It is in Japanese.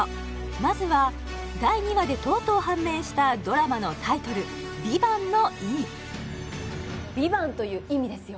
まずは第２話でとうとう判明したドラマのタイトル「ＶＩＶＡＮＴ」の意味「ＶＩＶＡＮＴ」という意味ですよ